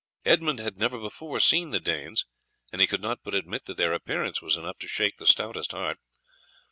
Edmund had never before seen the Danes, and he could not but admit that their appearance was enough to shake the stoutest heart.